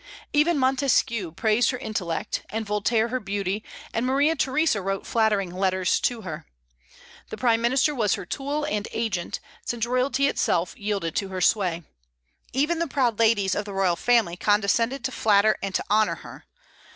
Even Montesquieu praised her intellect, and Voltaire her beauty, and Maria Theresa wrote flattering letters to her. The prime minister was her tool and agent, since royalty itself yielded to her sway; even the proud ladies of the royal family condescended to flatter and to honor her.